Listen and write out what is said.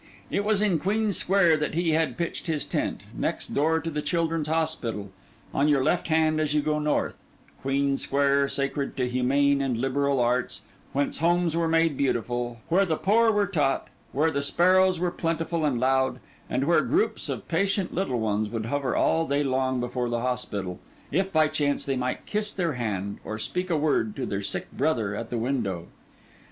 It was in Queen Square that he had pitched his tent, next door to the Children's Hospital, on your left hand as you go north: Queen Square, sacred to humane and liberal arts, whence homes were made beautiful, where the poor were taught, where the sparrows were plentiful and loud, and where groups of patient little ones would hover all day long before the hospital, if by chance they might kiss their hand or speak a word to their sick brother at the window.